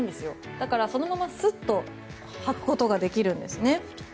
だから、そのまますっと履くことができるんですね。